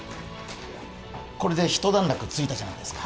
これで一段落ついたじゃないですか